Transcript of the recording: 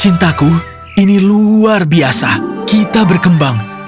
cintaku ini luar biasa kita berkembang